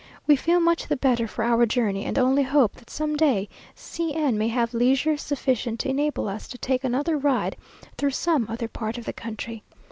We feel much the better for our journey, and only hope that some day C n may have leisure sufficient to enable us to take another ride through some other part of the country.